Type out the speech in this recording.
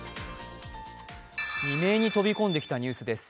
未明に飛び込んできたニュースです。